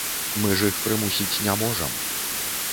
Мы ж іх прымусіць не можам.